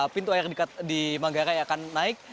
pintu air dekat di manggarai akan naik